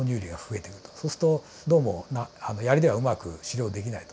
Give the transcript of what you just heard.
そうするとどうも槍ではうまく狩猟できないと。